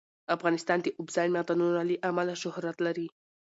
افغانستان د اوبزین معدنونه له امله شهرت لري.